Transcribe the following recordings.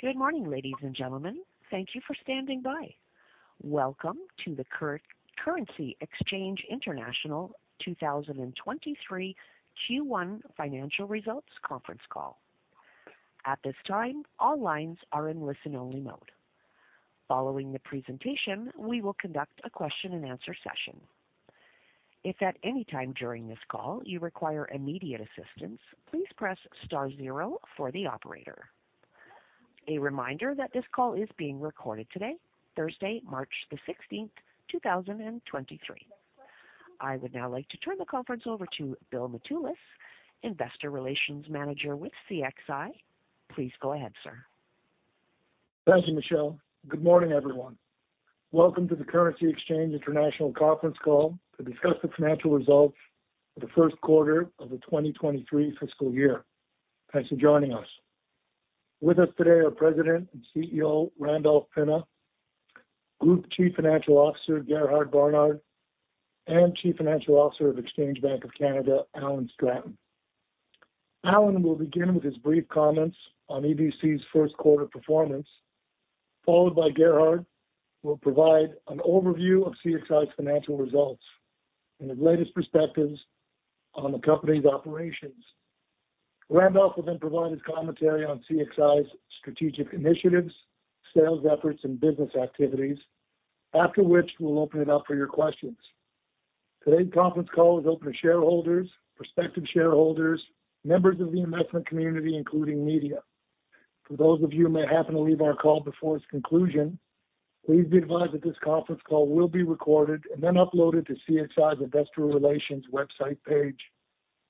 Good morning, ladies and gentlemen. Thank you for standing by. Welcome to the Currency Exchange International 2023 Q1 Financial Results Conference Call. At this time, all lines are in listen-only mode. Following the presentation, we will conduct a question-and-answer session. If at any time during this call you require immediate assistance, please press star zero for the operator. A reminder that this call is being recorded today, Thursday, March the 16th, 2023. I would now like to turn the conference over to Bill Mitoulas, Investor Relations Manager with CXI. Please go ahead, sir. Thank you, Michelle. Good morning, everyone. Welcome to the Currency Exchange International conference call to discuss the financial results for the first quarter of the 2023 fiscal year. Thanks for joining us. With us today are President and CEO, Randolph Pinna, Group Chief Financial Officer, Gerhard Barnard, and Chief Financial Officer of Exchange Bank of Canada, Alan Stratton. Alan will begin with his brief comments on EBC's first quarter performance, followed by Gerhard, will provide an overview of CXI's financial results and the latest perspectives on the company's operations. Randolph will then provide his commentary on CXI's strategic initiatives, sales efforts, and business activities. After which, we'll open it up for your questions. Today's conference call is open to shareholders, prospective shareholders, members of the investment community, including media. For those of you who may happen to leave our call before its conclusion, please be advised that this conference call will be recorded and then uploaded to CXI's investor relations website page,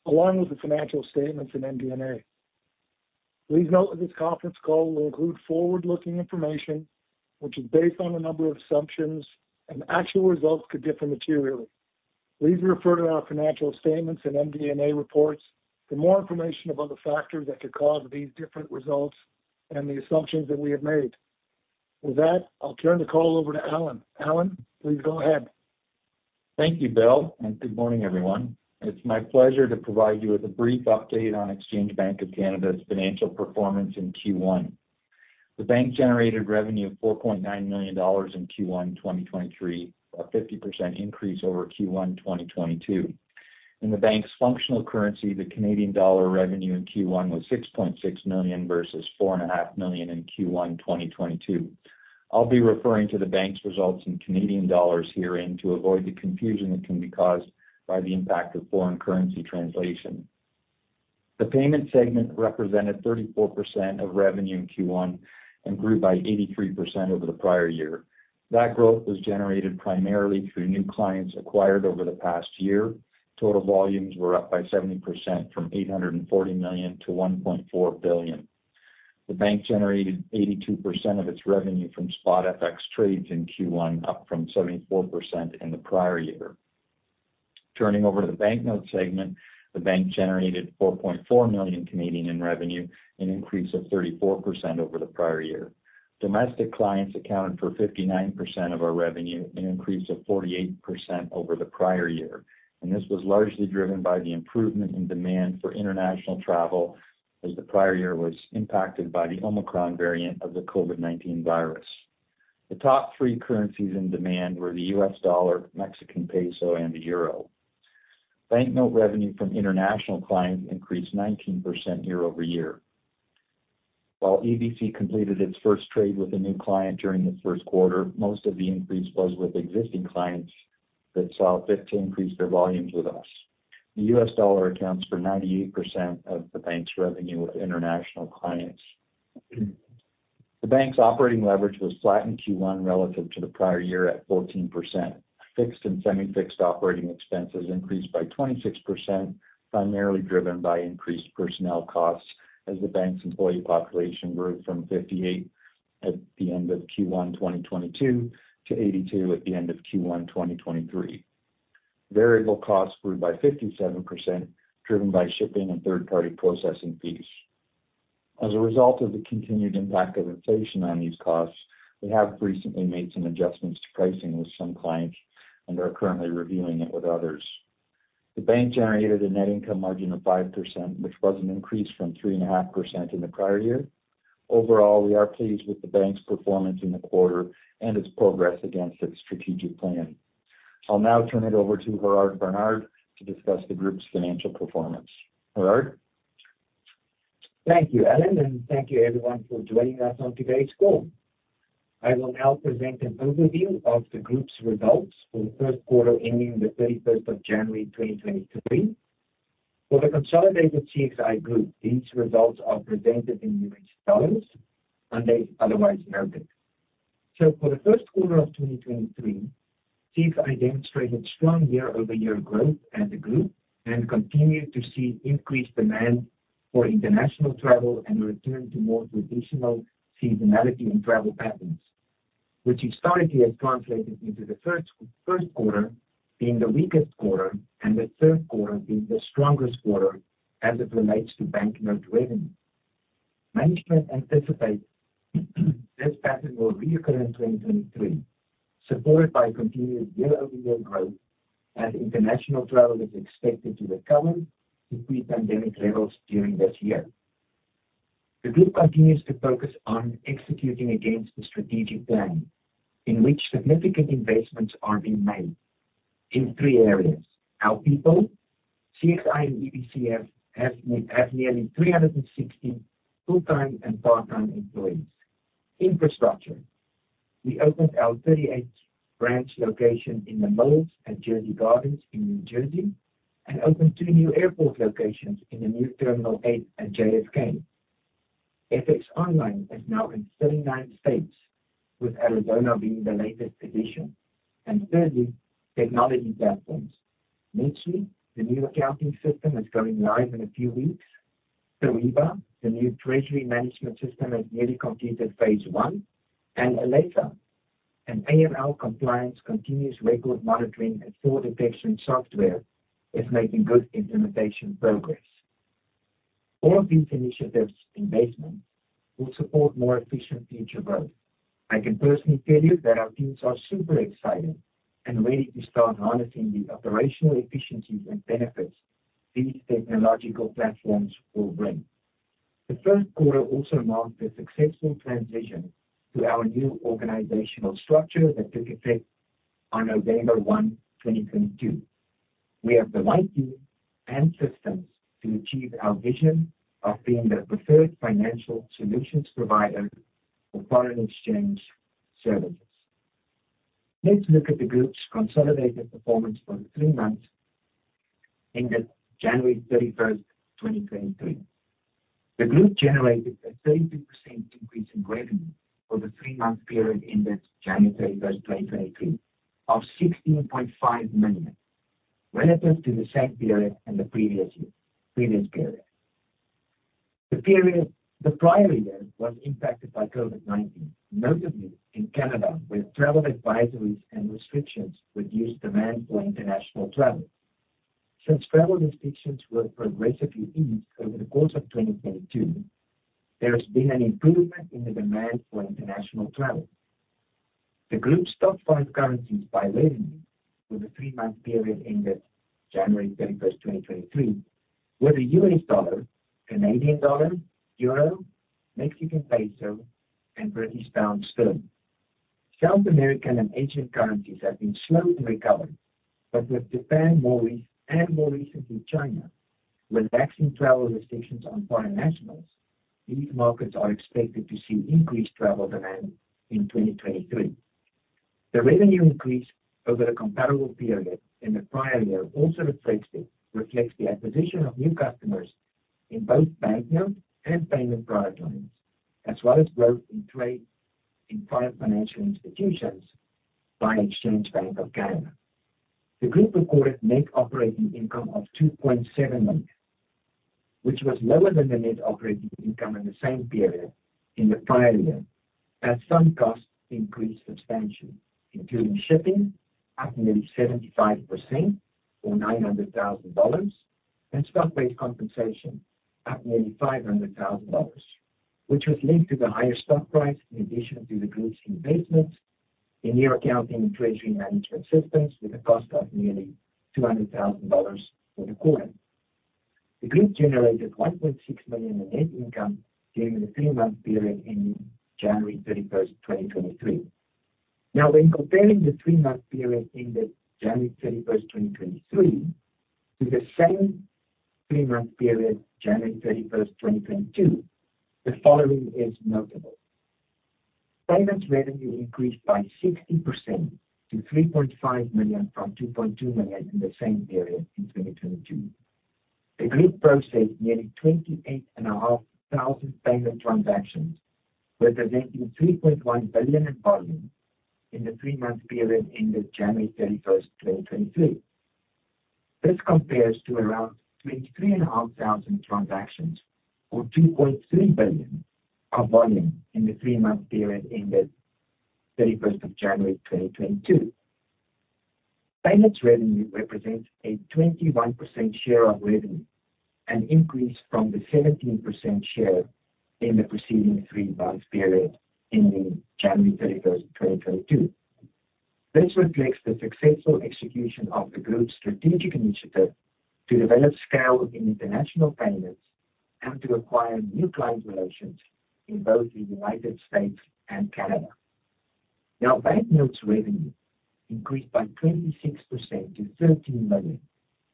along with the financial statements and MD&A. Please note that this conference call will include forward-looking information which is based on a number of assumptions and actual results could differ materially. Please refer to our financial statements and MD&A reports for more information about the factors that could cause these different results and the assumptions that we have made. With that, I'll turn the call over to Alan. Alan, please go ahead. Thank you, Bill. Good morning, everyone. It's my pleasure to provide you with a brief update on Exchange Bank of Canada's financial performance in Q1. The bank generated revenue of $4.9 million in Q1 2023, a 50% increase over Q1 2022. In the bank's functional currency, the Canadian dollar revenue in Q1 was 6.6 million versus 4.5 million in Q1 2022. I'll be referring to the bank's results in Canadian dollars herein to avoid the confusion that can be caused by the impact of foreign currency translation. The payment segment represented 34% of revenue in Q1 and grew by 83% over the prior year. That growth was generated primarily through new clients acquired over the past year. Total volumes were up by 70% from 840 million to 1.4 billion. The bank generated 82% of its revenue from spot FX trades in Q1, up from 74% in the prior year. Turning over to the banknote segment, the bank generated 4.4 million in revenue, an increase of 34% over the prior year. Domestic clients accounted for 59% of our revenue, an increase of 48% over the prior year. This was largely driven by the improvement in demand for international travel, as the prior year was impacted by the Omicron variant of the COVID-19 virus. The top three currencies in demand were the U.S. dollar, Mexican peso, and the euro. Banknote revenue from international clients increased 19% year-over-year. While EBC completed its first trade with a new client during the first quarter, most of the increase was with existing clients that saw fit to increase their volumes with us. The U.S. dollar accounts for 98% of the bank's revenue with international clients. The bank's operating leverage was flat in Q1 relative to the prior year at 14%. Fixed and semi-fixed operating expenses increased by 26%, primarily driven by increased personnel costs as the bank's employee population grew from 58 at the end of Q1 2022 to 82 at the end of Q1 2023. Variable costs grew by 57%, driven by shipping and third-party processing fees. As a result of the continued impact of inflation on these costs, we have recently made some adjustments to pricing with some clients and are currently reviewing it with others. The bank generated a net income margin of 5%, which was an increase from 3.5% in the prior year. Overall, we are pleased with the bank's performance in the quarter and its progress against its strategic plan. I'll now turn it over to Gerhard Barnard to discuss the group's financial performance. Gerhard? Thank you, Alan, and thank you everyone for joining us on today's call. I will now present an overview of the Group's results for the first quarter ending the 31st of January, 2023. For the consolidated CXI Group, these results are presented in U.S. dollars unless otherwise noted. For the first quarter of 2023, CXI demonstrated strong year-over-year growth as a Group and continued to see increased demand for international travel and return to more traditional seasonality in travel patterns, which historically has translated into the first quarter being the weakest quarter and the third quarter being the strongest quarter as it relates to banknote revenue. Management anticipates this pattern will reoccur in 2023, supported by continued year-over-year growth as international travel is expected to recover to pre-pandemic levels during this year. The group continues to focus on executing against the strategic plan in which significant investments are being made in three areas. Our people, CXI and EBC have nearly 360 full-time and part-time employees. Infrastructure. We opened our 38th branch location in The Mills at Jersey Gardens in New Jersey and opened two new airport locations in the new Terminal 8 at JFK. FX Online is now in 39 states, with Arizona being the latest addition. Thirdly, technology platforms. Mostly, the new accounting system is going live in a few weeks. Kyriba, the new treasury management system, has nearly completed phase one. Aleta, an AML compliance continuous record monitoring and fraud detection software, is making good implementation progress. All of these initiatives investment will support more efficient future growth. I can personally tell you that our teams are super excited and ready to start harnessing the operational efficiencies and benefits these technological platforms will bring. The first quarter also marked a successful transition to our new organizational structure that took effect on November 1, 2022. We have the right team and systems to achieve our vision of being the preferred financial solutions provider for foreign exchange services. Let's look at the group's consolidated performance for the three months ended January 31st, 2023. The group generated a 32% increase in revenue over the three-month period ended January 31, 2023 of $16.5 million, relative to the same period in the previous period. The prior year was impacted by COVID-19, notably in Canada, where travel advisories and restrictions reduced demand for international travel. Since travel restrictions were progressively eased over the course of 2022, there has been an improvement in the demand for international travel. The group's top five currencies by revenue for the three-month period ended January 31st, 2023, were the U.S. dollar, Canadian dollar, euro, Mexican peso, and British pound sterling. With Japan more recently, China relaxing travel restrictions on foreign nationals, these markets are expected to see increased travel demand in 2023. The revenue increase over the comparable period in the prior year also reflects the acquisition of new customers in both banknote and payment product lines, as well as growth in trade in private financial institutions by Exchange Bank of Canada. The group recorded net operating income of $2.7 million, which was lower than the net operating income in the same period in the prior year, as some costs increased substantially, including shipping at nearly 75% or $900,000, and stock-based compensation at nearly $500,000, which was linked to the higher stock price in addition to the group's investment in new accounting and treasury management systems with a cost of nearly $200,000 for the quarter. The group generated $1.6 million in net income during the three-month period ending January 31st, 2023. When comparing the three-month period ending January 31st, 2023 to the same three-month period, January 31st, 2022, the following is notable. Payments revenue increased by 60% to $3.5 million from $2.2 million in the same period in 2022. The group processed nearly 28,500 payment transactions, representing $3.1 billion in volume in the three-month period ending January 31st, 2023. This compares to around 23,500 transactions or $2.3 billion of volume in the three-month period ending 31st of January, 2022. Payments revenue represents a 21% share of revenue, an increase from the 17% share in the preceding three-month period ending January 31st, 2022. This reflects the successful execution of the group's strategic initiative to develop scale in international payments and to acquire new client relations in both the United States and Canada. Banknotes revenue increased by 26% to $13 million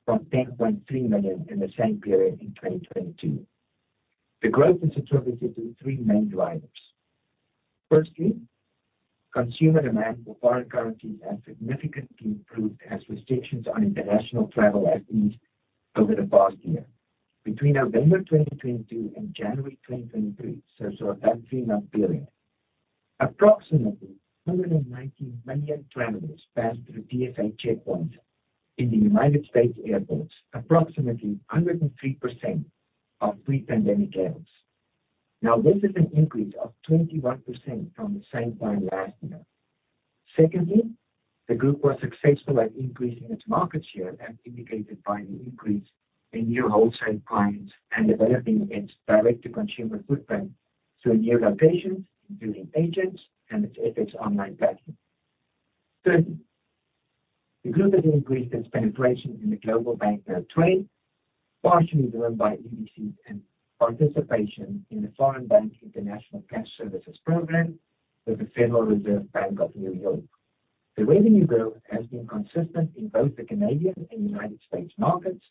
from $10.3 million in the same period in 2022. The growth is attributed to three main drivers. Firstly, consumer demand for foreign currencies has significantly improved as restrictions on international travel have eased over the past year. Between November 2022 and January 2023, that three-month period, approximately 190 million travelers passed through TSA checkpoints in the United States airports, approximately 103% of pre-pandemic levels. This is an increase of 21% from the same time last year. Secondly, the group was successful at increasing its market share, as indicated by the increase in new wholesale clients and developing its direct-to-consumer footprint through new locations, including agents and its FX Online banking. Third, the group has increased its penetration in the global bank note trade, partially driven by EBC's and participation in the Foreign Bank International Cash Services program with the Federal Reserve Bank of New York. The revenue growth has been consistent in both the Canadian and United States markets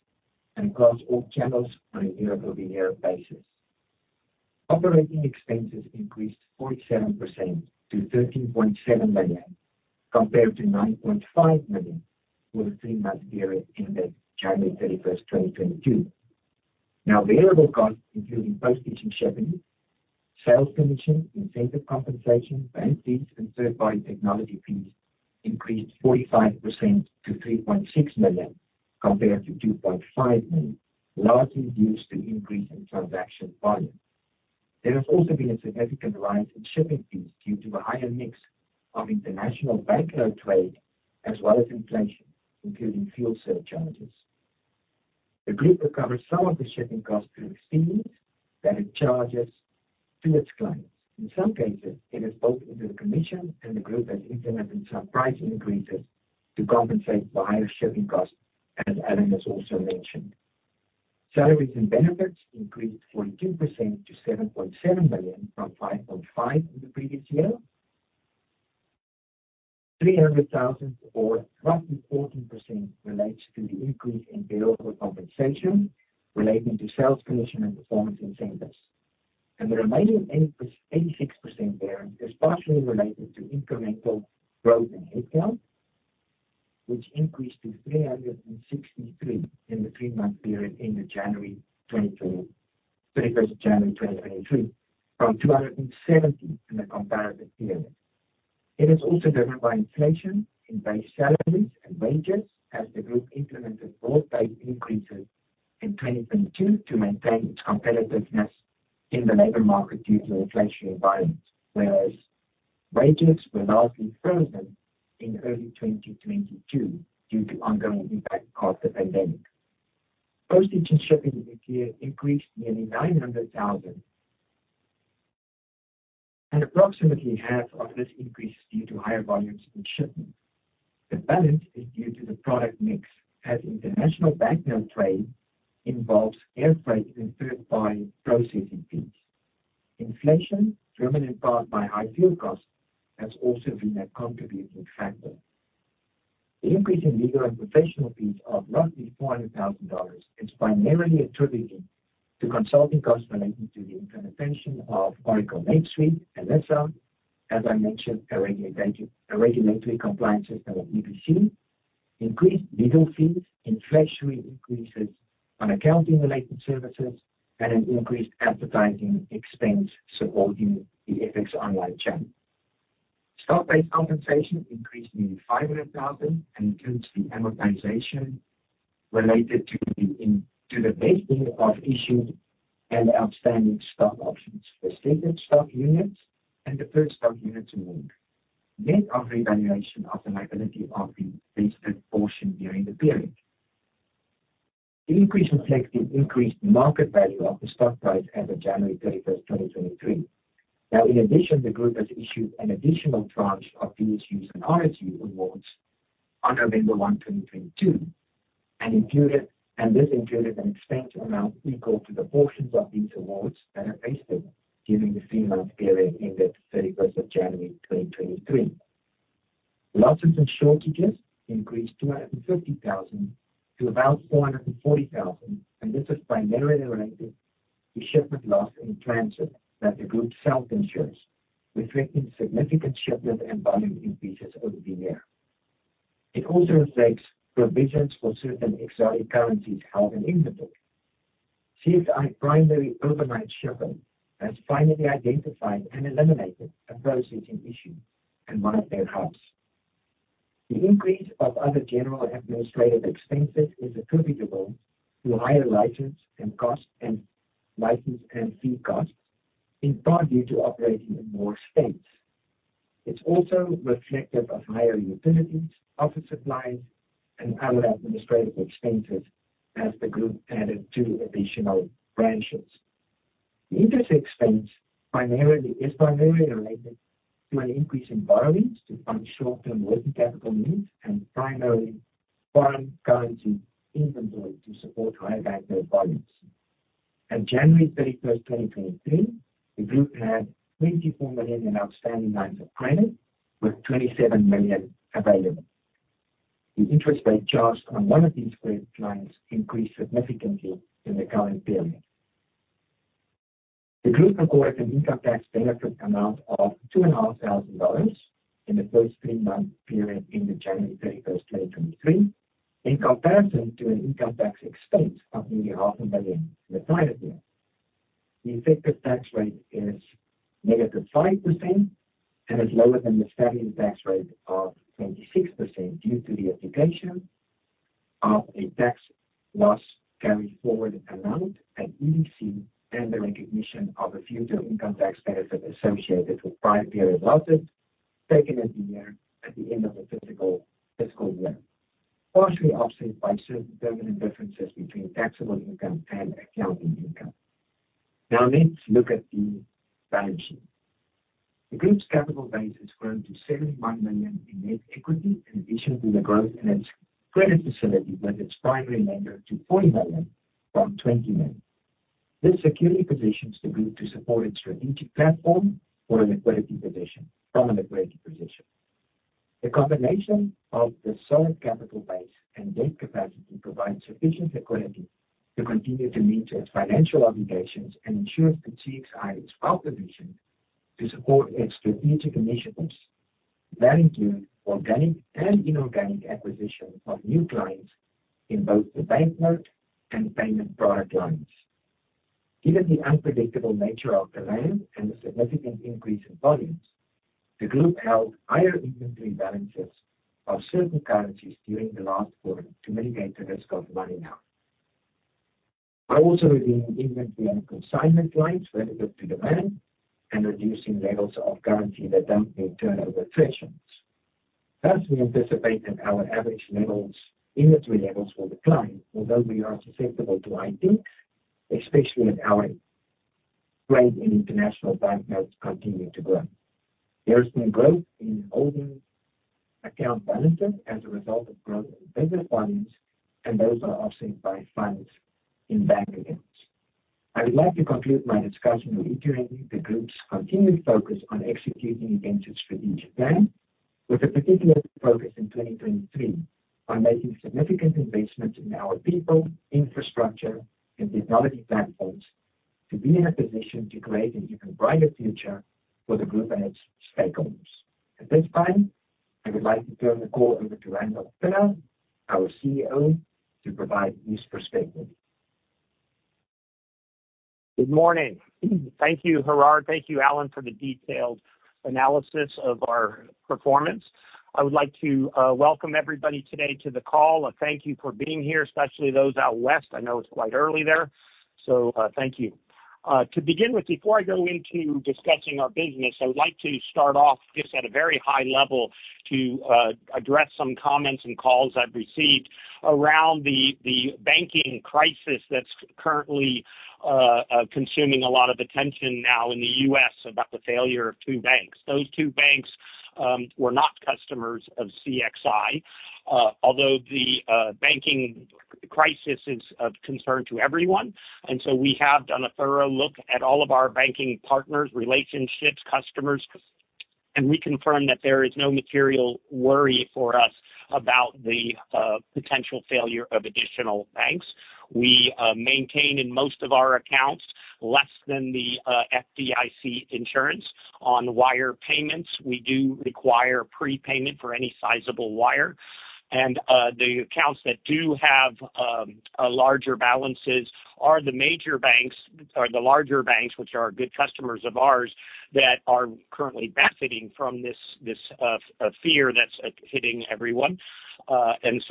and across all channels on a year-over-year basis. Operating expenses increased 47% to $13.7 million, compared to $9.5 million for the three-month period ended January 31st, 2022. Variable costs, including postage and shipping, sales commission, incentive compensation, bank fees, and third-party technology fees increased 45% to $3.6 million compared to $2.5 million, largely due to increase in transaction volume. There has also been a significant rise in shipping fees due to the higher mix of international bank note trade as well as inflation, including fuel surcharges. The group recovers some of the shipping costs through fees that it charges to its clients. In some cases, it is built into the commission and the group has implemented some price increases to compensate for higher shipping costs, as Alan has also mentioned. Salaries and benefits increased 42% to $7.7 million from $5.5 million in the previous year. $300,000 or roughly 14% relates to the increase in variable compensation relating to sales commission and performance incentives. The remaining 86% variance is partially related to incremental growth in headcount, which increased to 363 in the three-month period ended January 31st, 2023 from 270 in the comparative period. It is also driven by inflation in base salaries and wages as the group implemented broad-based increases in 2022 to maintain its competitiveness in the labor market due to the inflationary environment, whereas wages were largely frozen in early 2022 due to ongoing impact of the pandemic. Postage and shipping this year increased nearly $900,000. Approximately half of this increase is due to higher volumes in shipments. The balance is due to the product mix, as international bank note trade involves air freight and third-party processing fees. Inflation, driven in part by high fuel costs, has also been a contributing factor. The increase in legal and professional fees of roughly $400,000 is primarily attributable to consulting costs relating to the implementation of Oracle NetSuite and ESSA, as I mentioned, a regulatory compliance system at EBC, increased legal fees, inflationary increases on accounting-related services, and an increased advertising expense supporting the FX Online channel. Stock-based compensation increased nearly $500,000 and includes the amortization related to the vesting of issued and outstanding stock options, restricted stock units, and deferred stock units award. Net of revaluation of the liability of the vested portion during the period. The increase reflects the increased market value of the stock price as of January 31st, 2023. In addition, the group has issued an additional tranche of DSU and RSU awards on November 1, 2022, and this included an expense amount equal to the portions of these awards that are vested during the three-month period ended January 31st, 2023. Losses and shortages increased $250,000 to about $440,000. This is primarily related to shipment loss in transit that the group self-insures, reflecting significant shipment and volume increases over the year. It also reflects provisions for certain exotic currencies held in inventory. CXI primary overnight shipping has finally identified and eliminated a processing issue in one of their hubs. The increase of other general administrative expenses is attributable to higher license and cost, and license and fee costs, in part due to operating in more states. It's also reflective of higher utilities, office supplies, and other administrative expenses as the group added two additional branches. The interest expense is primarily related to an increase in borrowings to fund short-term working capital needs and primarily foreign currency inventory to support higher bank note volumes. At January 31st, 2023, the group had $24 million in outstanding lines of credit with $27 million available. The interest rate charged on one of these credit lines increased significantly in the current period. The group recorded an income tax benefit amount of $2,500 in the first three-month period ended January 31st, 2023, in comparison to an income tax expense of nearly $500,000 in the prior year. The effective tax rate is -5% and is lower than the statutory tax rate of 26% due to the application of a tax loss carry forward amount at EBC and the recognition of a future income tax benefit associated with prior period losses taken at the year, at the end of the fiscal year, partially offset by certain permanent differences between taxable income and accounting income. Now let's look at the balance sheet. The group's capital base has grown to $71 million in net equity, in addition to the growth in its credit facility with its primary lender to $40 million from $20 million. This securely positions the group to support its strategic platform from a liquidity position. The combination of the solid capital base and debt capacity provides sufficient liquidity to continue to meet its financial obligations and ensures that CXI is well-positioned to support its strategic initiatives that include organic and inorganic acquisition of new clients in both the banknote and payment product lines. Given the unpredictable nature of demand and the significant increase in volumes, the group held higher inventory balances of certain currencies during the last quarter to mitigate the risk of money now. By also reviewing inventory on consignment lines relative to demand and reducing levels of currency that don't meet turnover thresholds. Thus, we anticipate that our average levels, inventory levels will decline although we are susceptible to IP, especially as our trade in international banknotes continue to grow. There has been growth in holding account balances as a result of growth in business volumes, and those are offset by funds in bank accounts. I would like to conclude my discussion reiterating the group's continued focus on executing against its strategic plan with a particular focus in 2023 on making significant investments in our people, infrastructure, and technology platforms to be in a position to create an even brighter future for the group and its stakeholders. At this time, I would like to turn the call over to Randolph Pinna, our CEO, to provide his perspective. Good morning. Thank you, Gerhard. Thank you, Alan, for the detailed analysis of our performance. I would like to welcome everybody today to the call. Thank you for being here, especially those out west. I know it's quite early there, so thank you. To begin with, before I go into discussing our business, I'd like to start off just at a very high level to address some comments and calls I've received around the banking crisis that's currently consuming a lot of attention now in the U.S. about the failure of two banks. Those two banks were not customers of CXI, although the banking crisis is of concern to everyone. We have done a thorough look at all of our banking partners, relationships, customers, and we confirm that there is no material worry for us about the potential failure of additional banks. We maintain in most of our accounts less than the FDIC insurance. On wire payments, we do require prepayment for any sizable wire. The accounts that do have larger balances are the major banks or the larger banks, which are good customers of ours that are currently benefiting from this fear that's hitting everyone.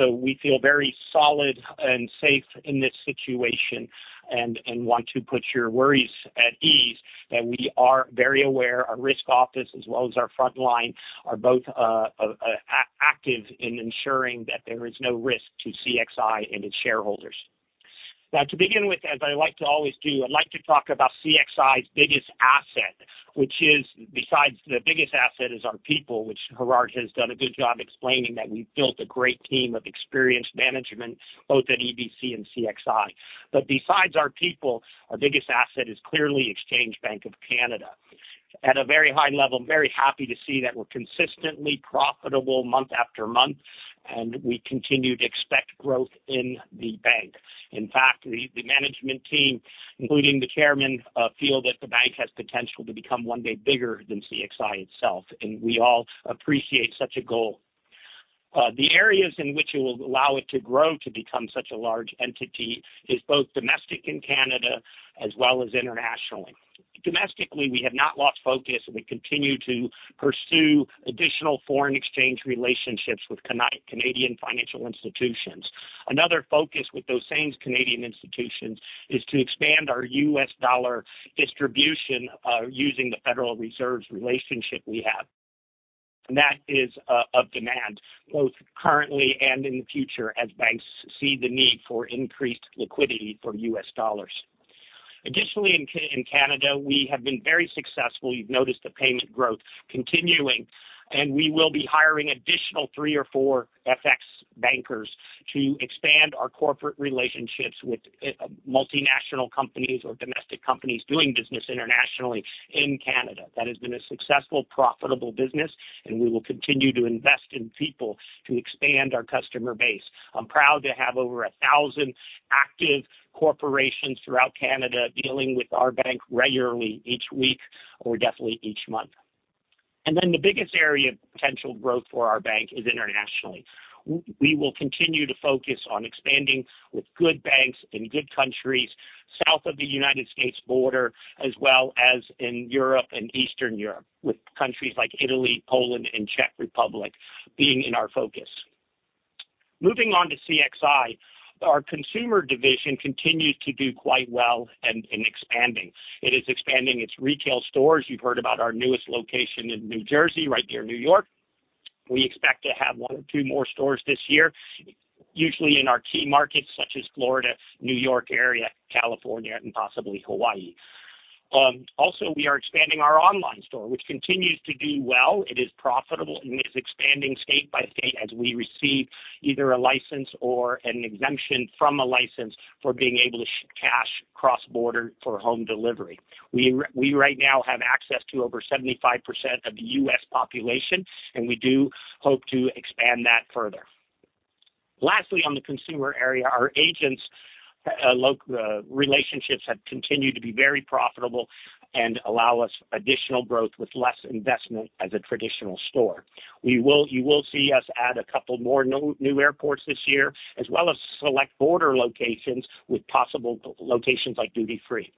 We feel very solid and safe in this situation and want to put your worries at ease that we are very aware. Our risk office as well as our front line are both active in ensuring that there is no risk to CXI and its shareholders. To begin with, as I like to always do, I'd like to talk about CXI's biggest asset, which is besides the biggest asset is our people, which Gerhard has done a good job explaining that we've built a great team of experienced management both at EBC and CXI. Besides our people, our biggest asset is clearly Exchange Bank of Canada. At a very high level, very happy to see that we're consistently profitable month after month, and we continue to expect growth in the bank. In fact, the management team, including the chairman, feel that the bank has potential to become one day bigger than CXI itself, and we all appreciate such a goal. The areas in which it will allow it to grow to become such a large entity is both domestic in Canada as well as internationally. Domestically, we have not lost focus. We continue to pursue additional foreign exchange relationships with Canadian financial institutions. Another focus with those same Canadian institutions is to expand our U.S. dollar distribution, using the Federal Reserve's relationship we have. That is of demand both currently and in the future as banks see the need for increased liquidity for U.S. dollars. Additionally, in Canada, we have been very successful. You've noticed the payment growth continuing. We will be hiring additional three or four FX bankers to expand our corporate relationships with multinational companies or domestic companies doing business internationally in Canada. That has been a successful, profitable business, and we will continue to invest in people to expand our customer base. I'm proud to have over 1,000 active corporations throughout Canada dealing with our bank regularly each week or definitely each month. The biggest area of potential growth for our bank is internationally. We will continue to focus on expanding with good banks in good countries. South of the United States border as well as in Europe and Eastern Europe, with countries like Italy, Poland, and Czech Republic being in our focus. Moving on to CXI, our consumer division continues to do quite well and in expanding. It is expanding its retail stores. You've heard about our newest location in New Jersey, right near New York. We expect to have one or two more stores this year, usually in our key markets such as Florida, New York area, California, and possibly Hawaii. Also we are expanding our online store, which continues to do well. It is profitable and is expanding state by state as we receive either a license or an exemption from a license for being able to ship cash cross-border for home delivery. We right now have access to over 75% of the U.S. population. We do hope to expand that further. Lastly, on the consumer area, our agents relationships have continued to be very profitable and allow us additional growth with less investment as a traditional store. You will see us add a couple more no-new airports this year as well as select border locations with possible locations like duty-free.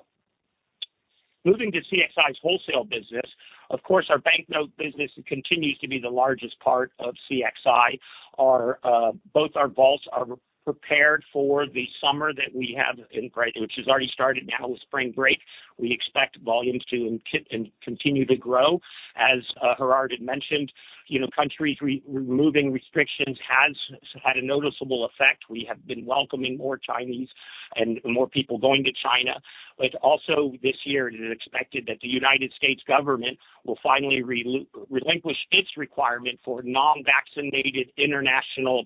Moving to CXI's wholesale business, of course, our banknote business continues to be the largest part of CXI. Our both our vaults are prepared for the summer that we have in great, which has already started now with spring break. We expect volumes to continue to grow. As Gerhard had mentioned, you know, countries removing restrictions has had a noticeable effect. We have been welcoming more Chinese and more people going to China. Also this year, it is expected that the United States government will finally relinquish its requirement for non-vaccinated international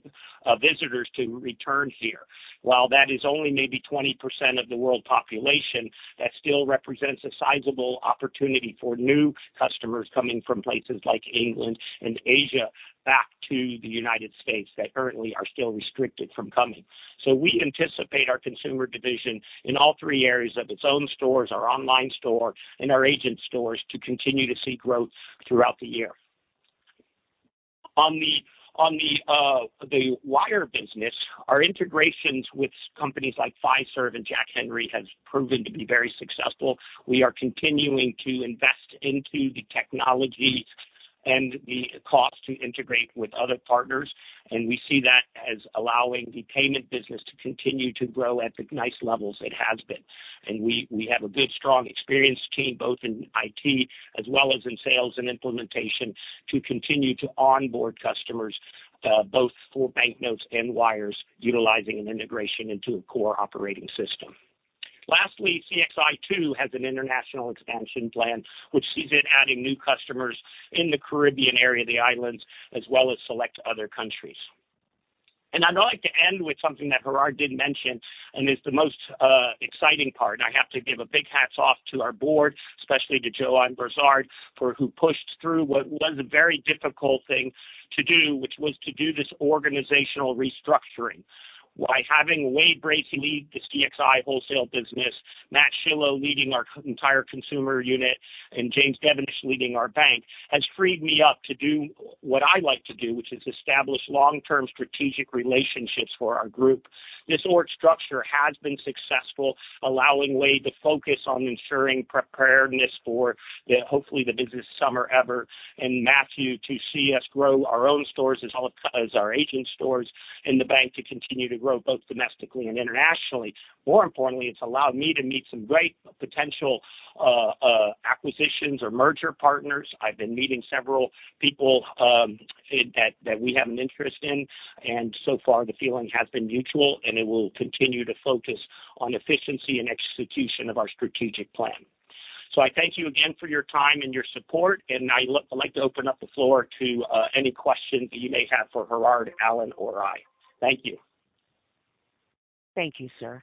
visitors to return here. While that is only maybe 20% of the world population, that still represents a sizable opportunity for new customers coming from places like England and Asia back to the United States that currently are still restricted from coming. We anticipate our consumer division in all three areas of its own stores, our online store, and our agent stores to continue to see growth throughout the year. On the wire business, our integrations with companies like Fiserv and Jack Henry has proven to be very successful. We are continuing to invest into the technology and the cost to integrate with other partners, and we see that as allowing the payment business to continue to grow at the nice levels it has been. We have a good, strong experienced team both in IT as well as in sales and implementation to continue to onboard customers, both for banknotes and wires, utilizing an integration into a core operating system. Lastly, CXI too has an international expansion plan which sees it adding new customers in the Caribbean area, the islands, as well as select other countries. I'd like to end with something that Gerhard didn't mention, and it's the most exciting part. I have to give a big hats off to our board, especially to Johanne Brossard, for who pushed through what was a very difficult thing to do, which was to do this organizational restructuring. By having Wade Bracy lead the CXI wholesale business, Matthew Schillo leading our entire consumer unit, and James Devenish leading our bank has freed me up to do what I like to do, which is establish long-term strategic relationships for our group. This org structure has been successful, allowing Wade to focus on ensuring preparedness for the, hopefully the busiest summer ever, and Matthew to see us grow our own stores as well as our agent stores and the bank to continue to grow both domestically and internationally. More importantly, it's allowed me to meet some great potential acquisitions or merger partners. I've been meeting several people, that we have an interest in, and so far the feeling has been mutual, and it will continue to focus on efficiency and execution of our strategic plan. I thank you again for your time and your support, and I'd like to open up the floor to any questions that you may have for Gerhard, Alan, or I. Thank you. Thank you, sir.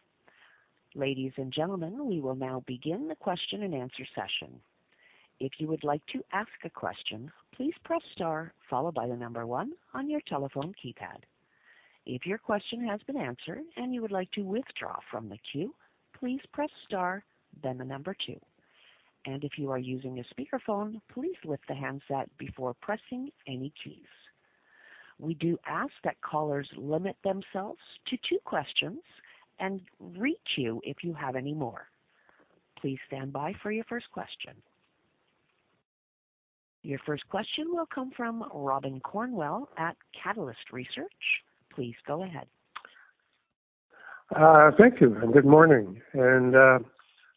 Ladies and gentlemen, we will now begin the question-and-answer session. If you would like to ask a question, please press star followed by the one on your telephone keypad. If your question has been answered and you would like to withdraw from the queue, please press star, then the two. If you are using a speakerphone, please lift the handset before pressing any keys. We do ask that callers limit themselves to two questions and reach you if you have any more. Please stand by for your first question. Your first question will come from Robin Cornwell at Catalyst Research. Please go ahead. Thank you, and good morning.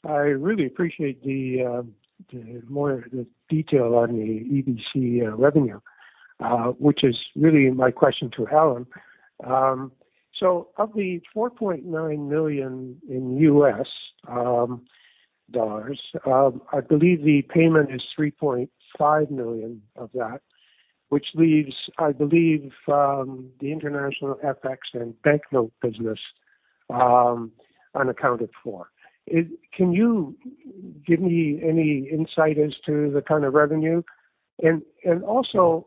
I really appreciate the more, the detail on the EBC revenue, which is really my question to Alan. Of the $4.9 million in U.S. dollars, I believe the payment is $3.5 million of that, which leaves, I believe, the international FX and banknote business unaccounted for. Can you give me any insight as to the kind of revenue? Also,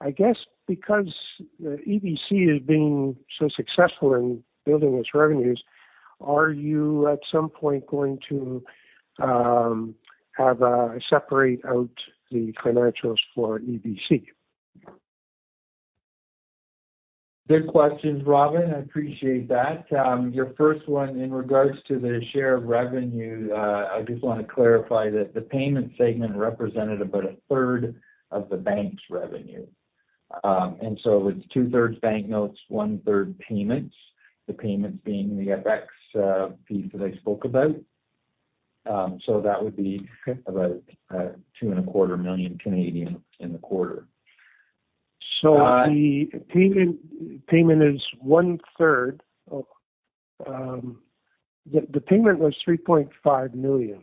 I guess, because EBC is being so successful in building its revenues, are you at some point going to have separate out the financials for EBC? Good questions, Robin. I appreciate that. Your first one in regards to the share of revenue, I just wanna clarify that the payment segment represented about 1/3 of the bank's revenue. It's 2/3 banknotes, 1/3 payments, the payments being the FX piece that I spoke about. So that would be about 2.25 million in the quarter. The payment was $3.5 million.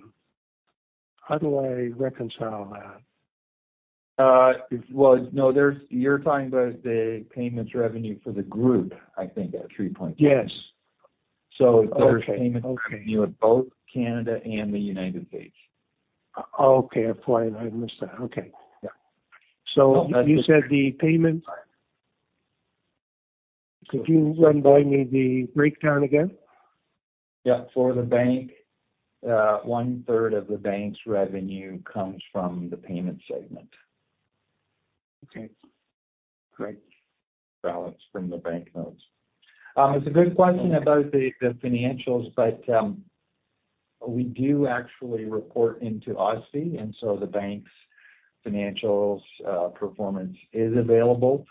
How do I reconcile that? Well, no, there's. You're talking about the payments revenue for the group, I think at $3.5 million. Yes. There's payments revenue at both Canada and the United States. Okay. That's why I missed that. Okay. Yeah. You said the payments... Could you run by me the breakdown again? Yeah. For the bank, 1/3 of the bank's revenue comes from the payment segment. Okay, great. Balance from the banknotes. It's a good question about the financials, but we do actually report into OSFI, and so the bank's financials performance is available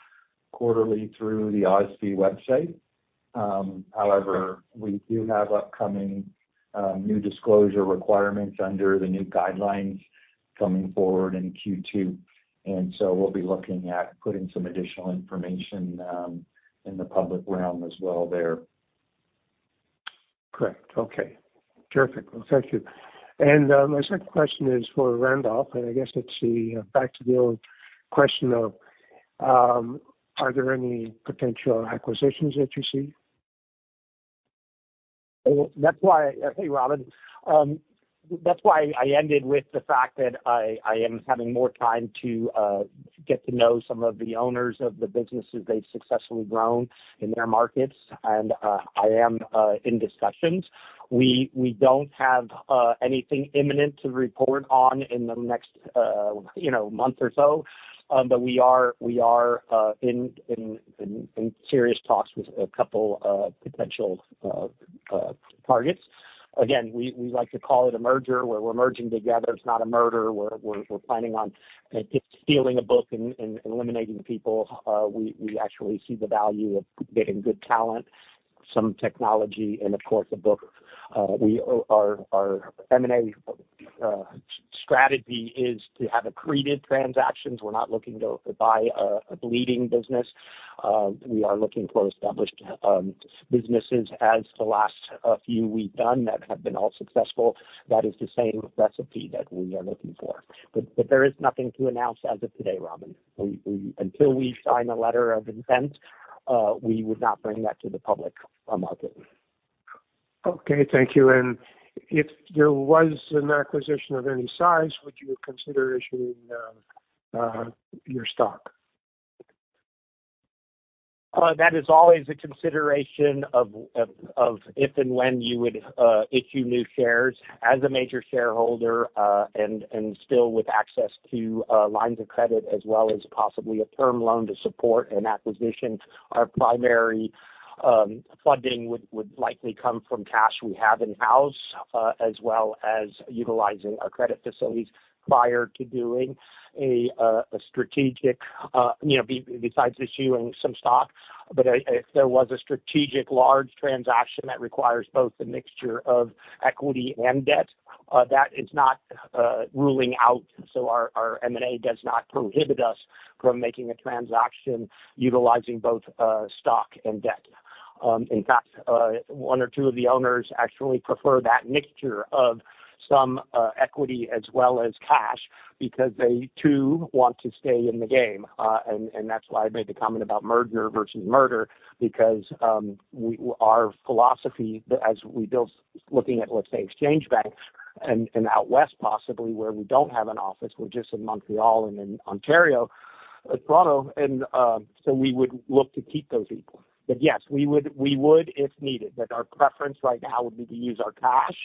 quarterly through the OSFI website. However, we do have upcoming new disclosure requirements under the new guidelines coming forward in Q2, and so we'll be looking at putting some additional information in the public realm as well there. Correct. Okay. Terrific. Well, thank you. My second question is for Randolph, and I guess it's the back to the old question of, are there any potential acquisitions that you see? Hey, Robin. That's why I ended with the fact that I am having more time to get to know some of the owners of the businesses they've successfully grown in their markets. I am in discussions. We don't have anything imminent to report on in the next, you know, month or so, but we are in serious talks with a couple of potential targets. Again, we like to call it a merger, where we're merging together. It's not a murder, we're planning on stealing a book and eliminating people. We actually see the value of getting good talent, some technology and of course a book. Our M&A strategy is to have accreted transactions. We're not looking to buy a bleeding business. We are looking for established businesses as the last few we've done that have been all successful. That is the same recipe that we are looking for. There is nothing to announce as of today, Robin. Until we sign a letter of intent, we would not bring that to the public market. Okay, thank you. If there was an acquisition of any size, would you consider issuing your stock? That is always a consideration of if and when you would issue new shares as a major shareholder, and still with access to lines of credit as well as possibly a term loan to support an acquisition. Our primary funding would likely come from cash we have in-house, as well as utilizing our credit facilities prior to doing a strategic, you know, besides issuing some stock. If there was a strategic large transaction that requires both a mixture of equity and debt, that is not ruling out. Our M&A does not prohibit us from making a transaction utilizing both stock and debt. In fact, one or two of the owners actually prefer that mixture of some equity as well as cash because they too want to stay in the game. That's why I made the comment about merger versus murder because our philosophy as we build, looking at, let's say, exchange banks and out west possibly where we don't have an office, we're just in Montreal and in Ontario, Toronto. We would look to keep those people. Yes, we would if needed. Our preference right now would be to use our cash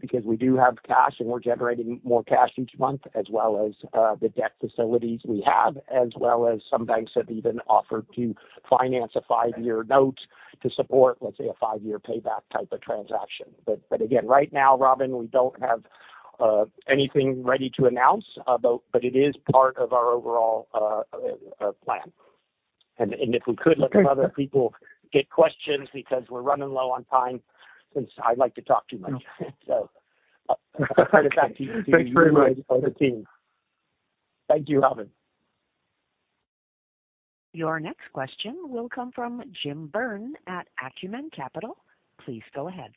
because we do have cash and we're generating more cash each month as well as the debt facilities we have, as well as some banks have even offered to finance a five-year note to support, let's say, a five-year payback type of transaction. Again, right now, Robin, we don't have anything ready to announce, but it is part of our overall plan. If we could let some other people get questions because we're running low on time since I like to talk too much. No. I'll turn it back to you. Thanks very much. The team. Thank you, Robin. Your next question will come from Jim Byrne at Acumen Capital. Please go ahead.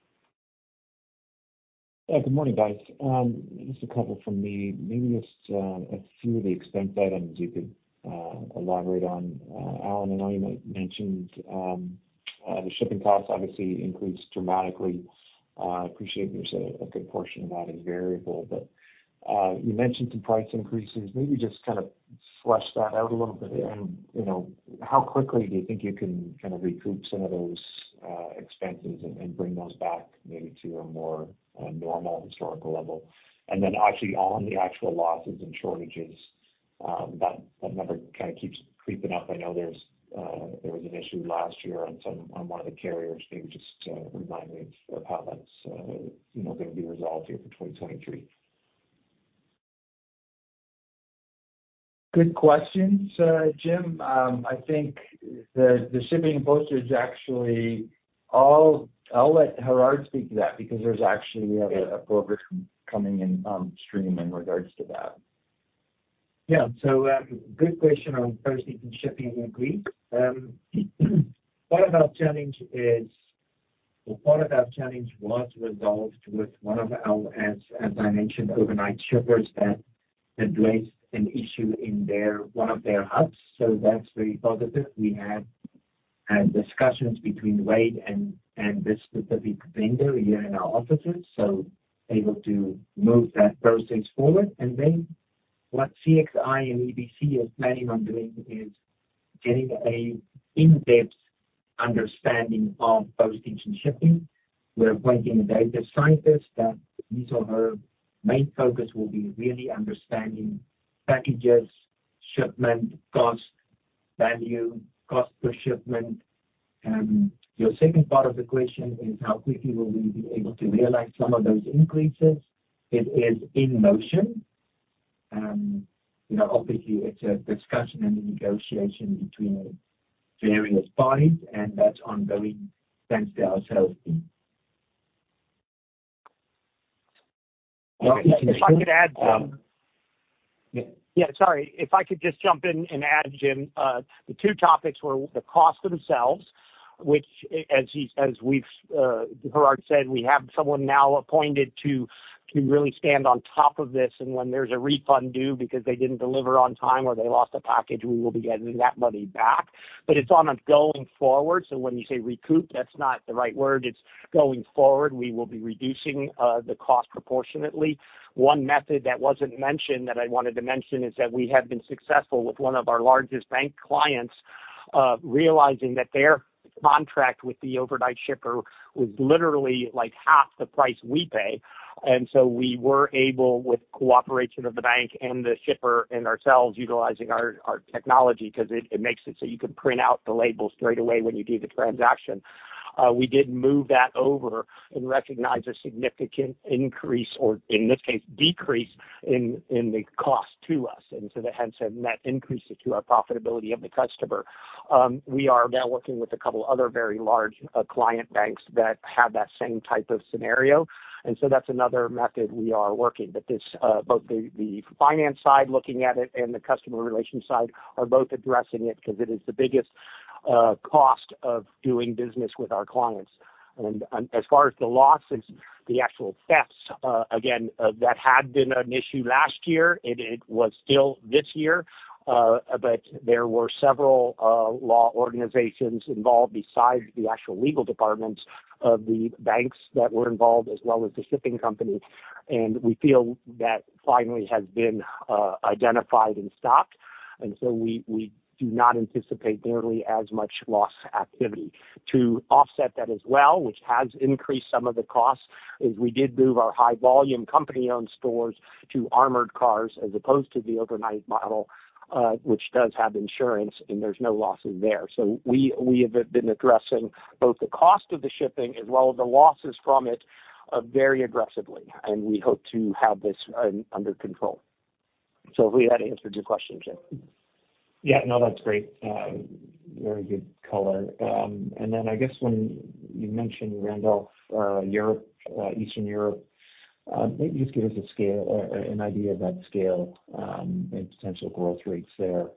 Yeah, good morning, guys. Just a couple from me. Maybe just a few of the expense items you could elaborate on. Alan, I know you mentioned the shipping costs obviously increased dramatically. I appreciate there's a good portion of that is variable, but you mentioned some price increases. Maybe just kind of flesh that out a little bit. You know, how quickly do you think you can kind of recoup some of those expenses and bring those back maybe to a more normal historical level? Actually on the actual losses and shortages. That, that number kind of keeps creeping up. I know there's there was an issue last year on one of the carriers. Maybe just remind me for our pilots, you know, that'll be resolved here for 2023. Good questions, Jim. I think the shipping and postage is actually... I'll let Gerhard speak to that because there's actually. Okay. We have a program coming in on stream in regards to that. Yeah. Good question on postage and shipping, agreed. Part of our challenge was resolved with one of our, as I mentioned, overnight shippers that had raised an issue in one of their hubs. That's very positive. We had discussions between Wade and this specific vendor here in our offices, so able to move that process forward. What CXI and EBC is planning on doing is getting a in-depth understanding of postage and shipping. We're appointing a data scientist that his or her main focus will be really understanding packages, shipment costs, value, cost per shipment. Your second part of the question is how quickly will we be able to realize some of those increases? It is in motion. You know, obviously it's a discussion and a negotiation between various parties. That's ongoing thanks to our sales team. If I could add some. Yeah. Yeah, sorry. If I could just jump in and add, Jim. The two topics were the costs themselves, which as we've, Gerhard said, we have someone now appointed to really stand on top of this. When there's a refund due because they didn't deliver on time or they lost a package, we will be getting that money back. It's on a going forward, so when you say recoup, that's not the right word. It's going forward, we will be reducing the cost proportionately. One method that wasn't mentioned that I wanted to mention is that we have been successful with one of our largest bank clients, realizing that their contract with the overnight shipper was literally like half the price we pay. We were able, with cooperation of the bank and the shipper and ourselves utilizing our technology because it makes it so you can print out the label straight away when you do the transaction. We did move that over and recognize a significant increase or in this case, decrease in the cost to us. That hence a net increase to our profitability of the customer. We are now working with a couple other very large client banks that have that same type of scenario. That's another method we are working. This, both the finance side looking at it and the customer relations side are both addressing it because it is the biggest cost of doing business with our clients. As far as the losses, the actual thefts, again, that had been an issue last year, it was still this year. There were several law organizations involved besides the actual legal departments of the banks that were involved as well as the shipping company. We feel that finally has been identified and stopped. We do not anticipate nearly as much loss activity. To offset that as well, which has increased some of the costs, is we did move our high volume company-owned stores to armored cars as opposed to the overnight model, which does have insurance, and there's no losses there. We have been addressing both the cost of the shipping as well as the losses from it, very aggressively, and we hope to have this under control. hopefully that answered your question, Jim. Yeah. No, that's great. Very good color. I guess when you mentioned Randolph, Europe, Eastern Europe, maybe just give us a scale or an idea of that scale and potential growth rates there,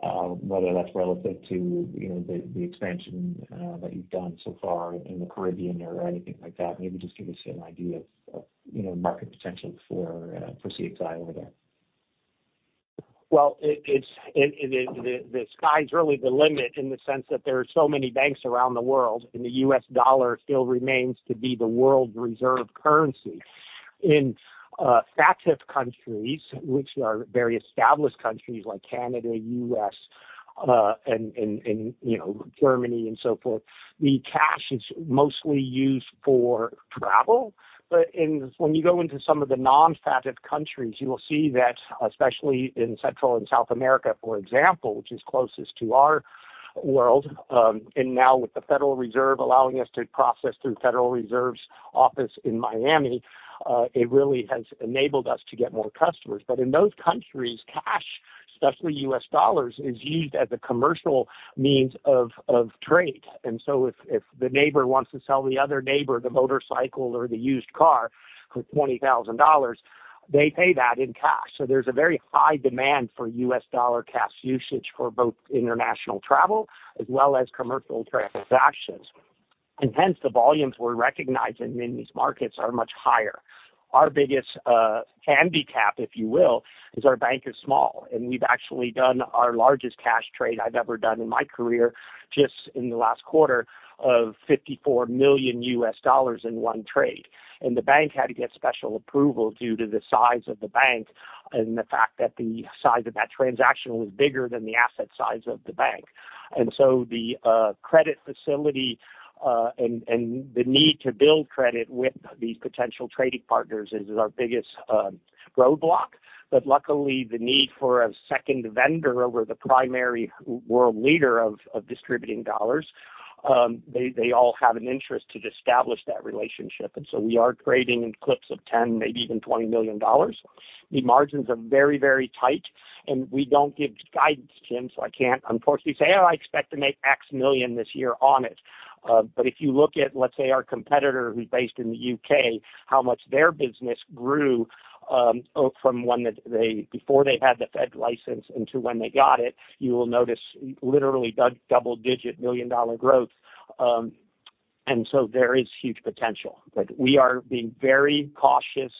whether that's relative to, you know, the expansion that you've done so far in the Caribbean or anything like that. Maybe just give us an idea of, you know, market potential for CXI over there? It's the sky's really the limit in the sense that there are so many banks around the world, the U.S. dollar still remains to be the world's reserve currency. In FATF countries, which are very established countries like Canada, U.S., you know, Germany and so forth, the cash is mostly used for travel. When you go into some of the non-FATF countries, you will see that, especially in Central and South America, for example, which is closest to our world, and now with the Federal Reserve allowing us to process through Federal Reserve's office in Miami, it really has enabled us to get more customers. In those countries, cash, especially U.S. dollars, is used as a commercial means of trade. If the neighbor wants to sell the other neighbor the motorcycle or the used car for $20,000, they pay that in cash. There's a very high demand for U.S. dollar cash usage for both international travel as well as commercial transactions. Hence the volumes we're recognizing in these markets are much higher. Our biggest handicap, if you will, is our bank is small, and we've actually done our largest cash trade I've ever done in my career just in the last quarter of $54 million in one trade. The bank had to get special approval due to the size of the bank and the fact that the size of that transaction was bigger than the asset size of the bank. The credit facility and the need to build credit with these potential trading partners is our biggest roadblock. Luckily, the need for a second vendor over the primary world leader of distributing dollars, they all have an interest to just establish that relationship. We are trading in clips of 10, maybe even $20 million. The margins are very, very tight, and we don't give guidance, Jim, so I can't unfortunately say, "Oh, I expect to make X million this year on it." If you look at, let's say, our competitor who's based in the UK, how much their business grew from when before they had the Fed license until when they got it, you will notice literally double-digit million-dollar growth. There is huge potential. We are being very cautious.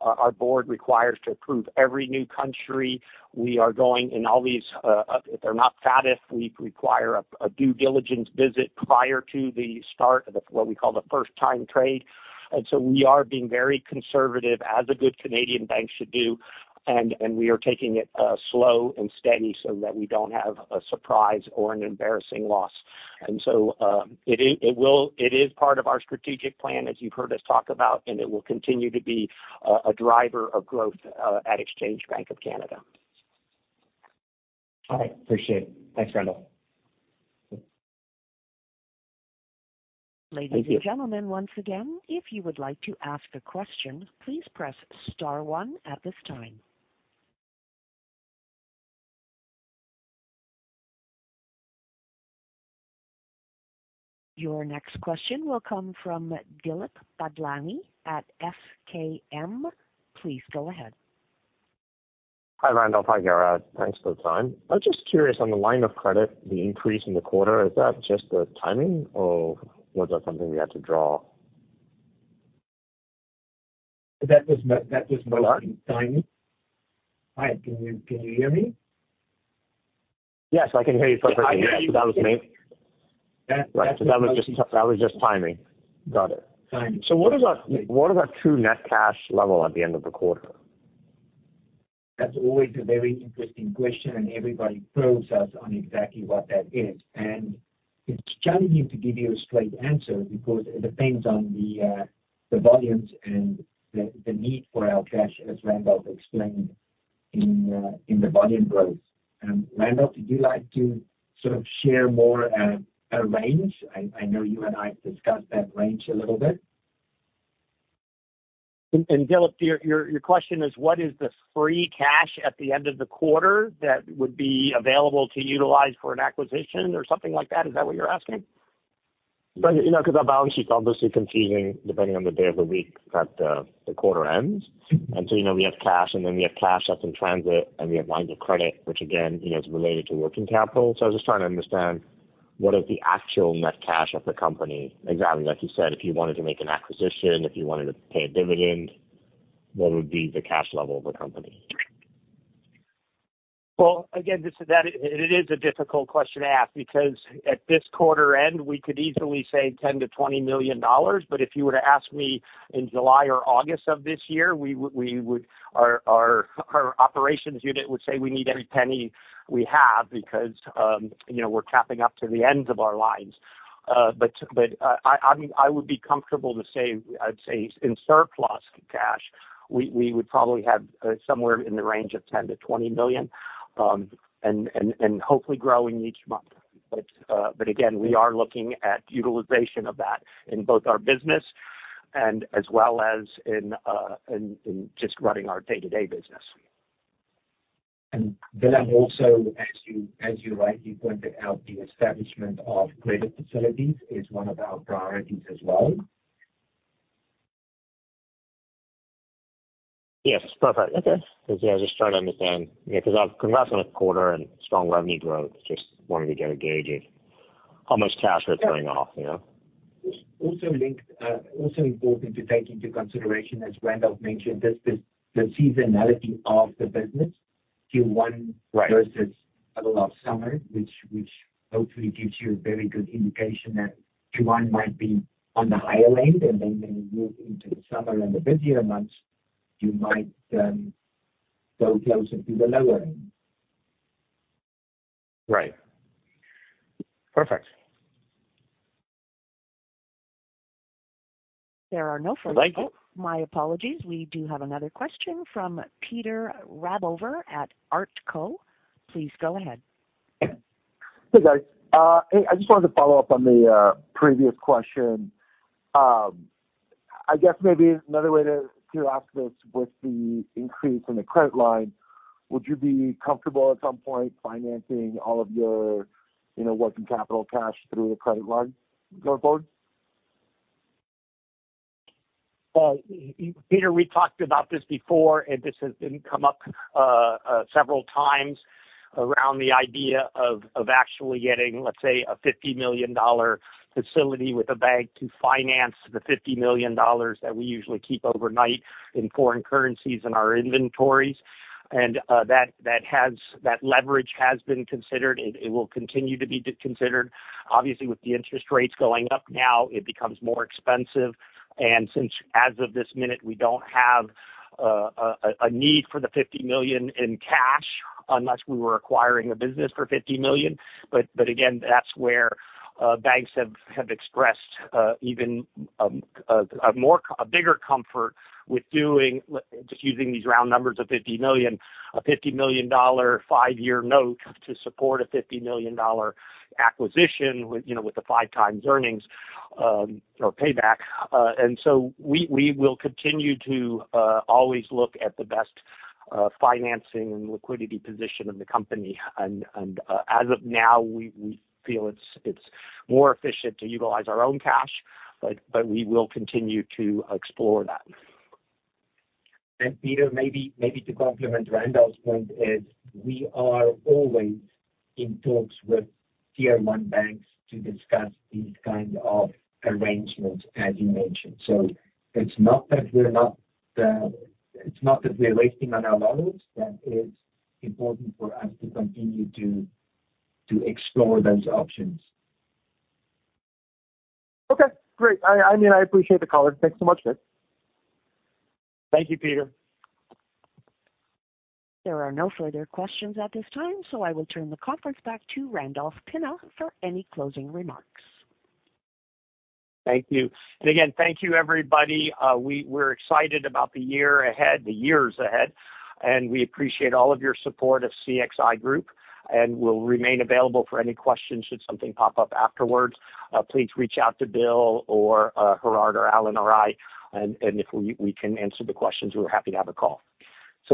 Our board requires to approve every new country. We are going in all these, if they're not FATF, we require a due diligence visit prior to the start of what we call the first-time trade. We are being very conservative as a good Canadian bank should do, and we are taking it slow and steady so that we don't have a surprise or an embarrassing loss. It is part of our strategic plan, as you've heard us talk about, and it will continue to be a driver of growth at Exchange Bank of Canada. All right. Appreciate it. Thanks, Randolph. Thank you. Ladies and gentlemen, once again, if you would like to ask a question, please press star one at this time. Your next question will come from Dilip Badlani at SKM. Please go ahead. Hi, Randolph. Hi, Gerhard. Thanks for the time. I'm just curious, on the line of credit, the increase in the quarter, is that just the timing or was that something we had to draw? That was mostly timing. Hi, can you hear me? Yes, I can hear you perfectly. Yeah. That- That was just timing. Got it. Timing. What is our true net cash level at the end of the quarter? That's always a very interesting question, and everybody probes us on exactly what that is. It's challenging to give you a straight answer because it depends on the volumes and the need for our cash, as Randolph explained in, the volume growth. Randolph, would you like to sort of share more at a range? I know you and I have discussed that range a little bit. Dilip, your question is what is the free cash at the end of the quarter that would be available to utilize for an acquisition or something like that? Is that what you're asking? You know, because our balance sheet's obviously confusing depending on the day of the week that the quarter ends. You know, we have cash and then we have cash that's in transit, and we have lines of credit, which again, you know, is related to working capital. I was just trying to understand what is the actual net cash of the company? Exactly like you said, if you wanted to make an acquisition, if you wanted to pay a dividend, what would be the cash level of the company? It is a difficult question to ask because at this quarter end, we could easily say $10 million-$20 million. If you were to ask me in July or August of this year, we would our operations unit would say we need every penny we have because, you know, we're capping up to the ends of our lines. I mean, I would be comfortable to say, I'd say in surplus cash, we would probably have somewhere in the range of $10 million-$20 million and hopefully growing each month. Again, we are looking at utilization of that in both our business and as well as in just running our day-to-day business. Also as you rightly pointed out, the establishment of greater facilities is one of our priorities as well. Yes. Perfect. Okay. I was just trying to understand. Congrats on the quarter and strong revenue growth. Just wanted to get a gauge of how much cash we're throwing off, you know. Also important to take into consideration, as Randolph mentioned, this is the seasonality of the business, Q1. Right. Versus the last summer, which hopefully gives you a very good indication that Q1 might be on the higher end, and then when you move into the summer and the busier months, you might go closer to the lower end. Right. Perfect. There are no further- Thank you. My apologies. We do have another question from Peter Rabover at Artko. Please go ahead. Hey, guys. Hey, I just wanted to follow up on the previous question. I guess maybe another way to ask this with the increase in the credit line, would you be comfortable at some point financing all of your, you know, working capital cash through a credit line going forward? Well, Peter, we talked about this before, and this has been come up several times around the idea of actually getting, let's say, a $50 million facility with a bank to finance the $50 million that we usually keep overnight in foreign currencies in our inventories. That leverage has been considered. It will continue to be considered. Obviously, with the interest rates going up now, it becomes more expensive. Since as of this minute, we don't have a need for the $50 million in cash unless we were acquiring a business for $50 million. Again, that's where banks have expressed even a more, a bigger comfort with doing, just using these round numbers of $50 million, a $50 million five-year note to support a $50 million acquisition with, you know, with the 5x earnings or payback. So we will continue to always look at the best financing and liquidity position of the company. As of now, we feel it's more efficient to utilize our own cash, but we will continue to explore that. Peter, maybe to complement Randolph's point is we are always in talks with tier-one banks to discuss these kind of arrangements, as you mentioned. It's not that we're not, it's not that we're waiting on our laurels. That is important for us to continue to explore those options. Okay, great. I mean, I appreciate the call. Thanks so much, guys. Thank you, Peter. There are no further questions at this time, so I will turn the conference back to Randolph Pinna for any closing remarks. Thank you. Again, thank you, everybody. We're excited about the year ahead, the years ahead, and we appreciate all of your support of CXI Group, and we'll remain available for any questions should something pop up afterwards. Please reach out to Bill or Gerhard or Alan or I and if we can answer the questions, we're happy to have a call.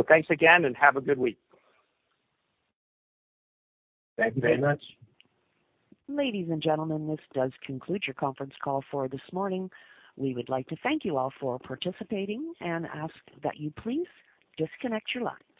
Thanks again, and have a good week. Thank you very much. Ladies and gentlemen, this does conclude your conference call for this morning. We would like to thank you all for participating and ask that you please disconnect your lines.